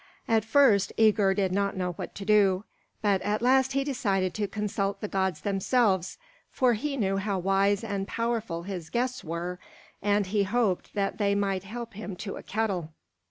At first Œgir did not know what to do; but at last he decided to consult the gods themselves, for he knew how wise and powerful his guests were, and he hoped that they might help him to a kettle.